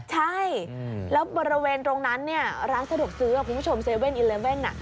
ใช่แล้วบริเวณตรงนั้นเนี่ยร้านสะดวกซื้อคุณผู้ชม๗๑๑